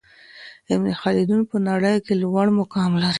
ابن خلدون په نړۍ کي لوړ مقام لري.